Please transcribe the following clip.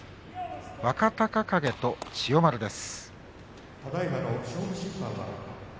若隆景と千代丸です。